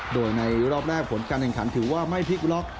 โดยในรอบแรกผลการแข่งขันถือว่าไม่พลิกล็อก